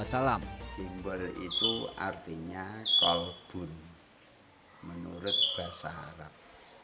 himbor itu artinya kolbun menurut bahasa arab